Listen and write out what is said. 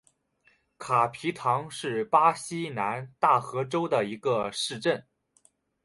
卡皮唐是巴西南大河州的一个市镇。